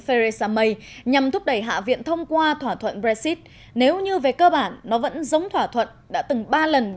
theresa may nhằm thúc đẩy hạ viện thông qua thỏa thuận brexit nếu như về cơ bản nó vẫn giống thỏa thuận